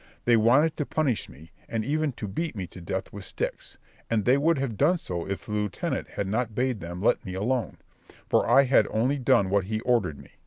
They wanted to punish me, and even to beat me to death with sticks; and they would have done so if the lieutenant had not bade them let me alone, for I had only done what he ordered me.